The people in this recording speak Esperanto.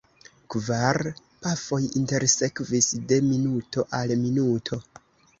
Kvar pafoj intersekvis de minuto al minuto.